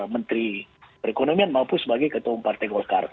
menteri perekonomian maupun sebagai ketua umum partai golkar